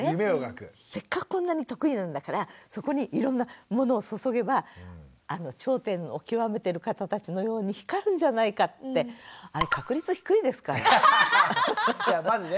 せっかくこんなに得意なんだからそこにいろんなものを注げばあの頂点を極めてる方たちのように光るんじゃないかってあれまじね